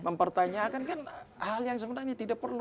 mempertanyakan kan hal yang sebenarnya tidak perlu